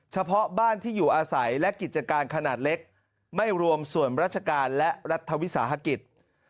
เฉพาะบ้านที่อยู่อาศัยและกิจการขนาดเล็กไม่รวมส่วนราชการและรัฐวิสาหกิจ